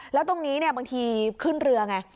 แล้วตรงนี้บางทีขึ้นเรือไง